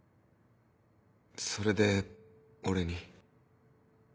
それで俺に？